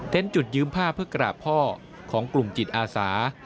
จุดยืมผ้าเพื่อกราบพ่อของกลุ่มจิตอาสา